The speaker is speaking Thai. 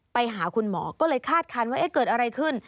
ไปหาคุณหมอก็เลยคาดคันว่าเกิดอะไรขึ้น